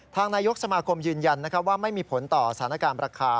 นายกสมาคมยืนยันว่าไม่มีผลต่อสถานการณ์ราคา